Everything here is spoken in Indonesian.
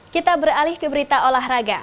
kita beralih ke berita olahraga